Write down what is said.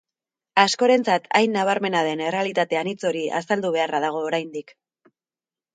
Askorentzat hain nabarmena den errealitate anitz hori azaldu beharra dago oraindik.